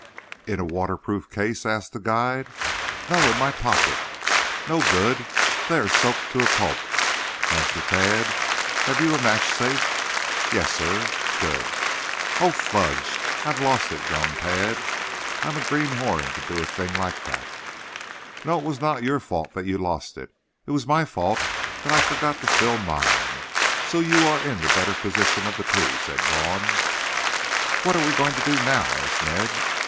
"In a waterproof case?" asked the guide. "No, in my pocket." "No good! They are soaked to a pulp. Master Tad, have you a match safe?" "Yes, sir." "Good." "Oh, fudge, I have lost it," groaned Tad. "I am a greenhorn to do a thing like that." "No, it was not your fault that you lost it. It was my fault that I forgot to fill mine. So you are in the better position of the two," said Vaughn. "What are we going to do now?" asked Ned.